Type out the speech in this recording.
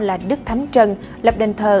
là đức thắm trần lập đền thờ